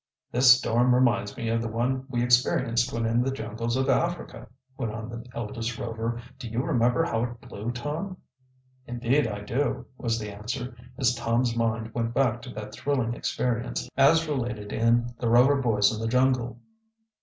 "This storm reminds me of the one we experienced when in the jungles of Africa," went on the eldest Rover. "Do you remember how it blew, Tom?" "Indeed I do," was the answer, as Tom's mind went back to that thrilling experience, as related in "The Rover Boys in the Jungle."